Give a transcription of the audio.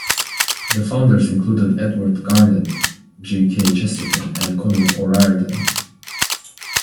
The founders included Edward Garnett, G. K. Chesterton and Conal O'Riordan.